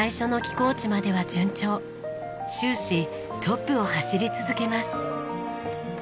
終始トップを走り続けます。